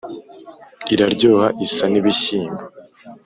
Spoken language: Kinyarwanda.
iraryoha isa n’ ibishyimbo :